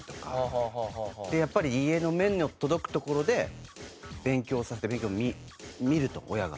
でやっぱり家の目の届くところで勉強させて勉強を見ると親が。